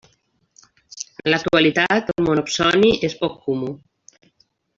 En l'actualitat, el monopsoni és poc comú.